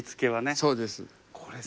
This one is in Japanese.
そうです。